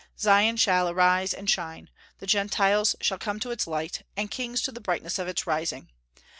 "Zion shall arise and shine.... The Gentiles shall come to its light, and kings to the brightness of its rising....